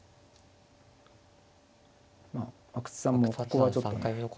まあ阿久津さんもここはちょっとね。